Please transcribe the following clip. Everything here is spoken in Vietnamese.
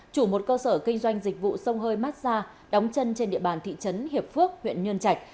chủ một cơ sở kinh doanh dịch vụ sông hơi massage đóng chân trên địa bàn thị trấn hiệp phước huyện nhân trạch